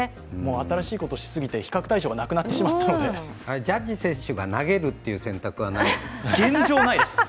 新しいことをしすぎて、比較対象が亡くなってしまったのでジャッジ選手が投げるという選択はないんですか？